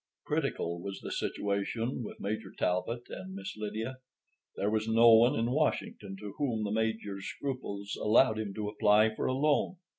Critical was the situation with Major Talbot and Miss Lydia. There was no one in Washington to whom the Major's scruples allowed him to apply for a loan.